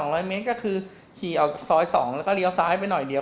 นี่ก็คือขี่เอาซอย๒แล้วก็เรียวซ้ายไปหน่อยเดียว